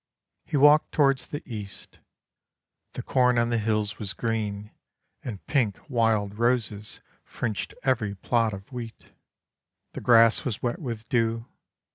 He walked towards the East. The corn on the hills was green, and pink wild roses fringed every plot of wheat. The grass was wet with dew.